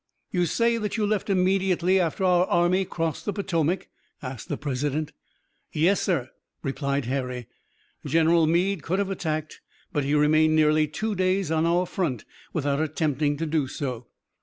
"You say that you left immediately after our army crossed the Potomac?" asked the President. "Yes, sir," replied Harry. "General Meade could have attacked, but he remained nearly two days on our front without attempting to do so."